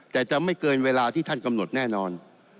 แต่จะไม่เกินเวลาที่ท่านกำหนดแน่นอน